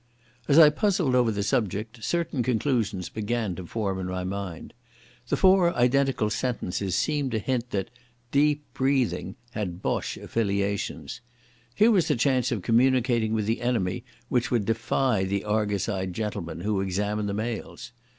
As I puzzled over the subject, certain conclusions began to form in my mind. The four identical sentences seemed to hint that "Deep Breathing' had Boche affiliations. Here was a chance of communicating with the enemy which would defy the argus eyed gentlemen who examine the mails.